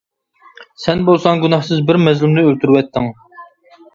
سەن بولساڭ گۇناھسىز بىر مەزلۇمنى ئۆلتۈرۈۋەتتىڭ.